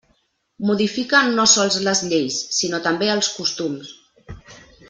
Modifica no sols les lleis, sinó també els costums.